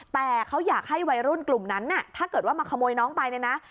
แต่เขาอยากให้วัยรุ่นกลุ่มนั้นถ้าเกิดว่ามาขโมยน้องไปเนี่ยนะ